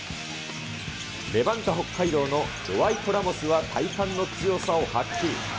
レバンタ北海道のドワイト・ラモスは体幹の強さを発揮。